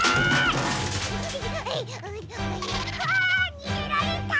にげられた！